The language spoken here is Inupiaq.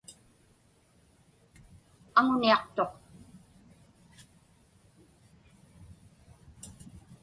Aŋuniaqtuq.